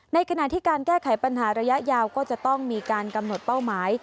ในขณะที่การแก้ไขปัญหาระยะยาวก็จะต้องมีการกำหนดเป้าหมาย